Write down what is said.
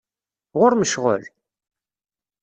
Ɣer-m ccɣel?